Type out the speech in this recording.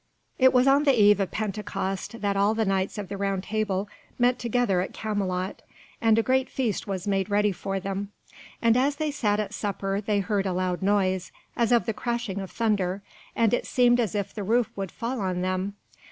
It was on the eve of Pentecost that all the Knights of the Table Round met together at Camelot, and a great feast was made ready for them. And as they sat at supper they heard a loud noise, as of the crashing of thunder, and it seemed as if the roof would fall on them.